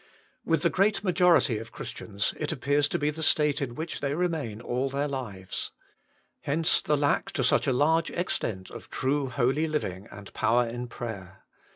With the great majority of Christians it appears to be the state in which they remain all their lives. Hence the lack to such a large extent of true holy living and power in prayer.